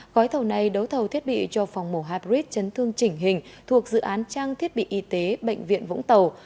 gói thầu này đấu thầu thiết bị cho phòng mổ hybrid chấn thương chỉnh hình thuộc dự án trang thiết bị y tế bệnh viện vũng tàu